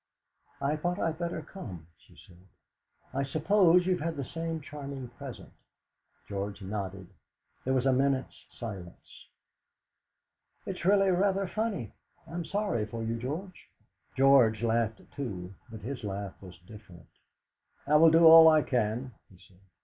"I thought I'd better come," she said. "I suppose you've had the same charming present?" George nodded. There was a minute's silence. "It's really rather funny. I'm sorry for you, George." George laughed too, but his laugh was different. "I will do all I can," he said.